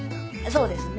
そうですね。